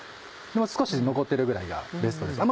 少し残ってるぐらいがベストです。